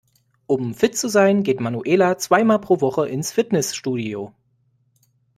Um fit zu sein, geht Manuela zweimal pro Woche ins Fitnessstudio.